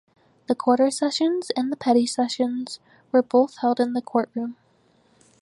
The quarter sessions and the petty sessions were both held in the courtroom.